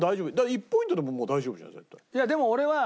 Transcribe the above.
１ポイントでももう大丈夫じゃん絶対。